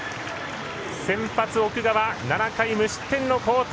先発奥川、７回無失点の好投。